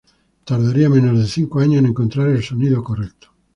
Tardaría menos de cinco años en encontrar el sonido correcto.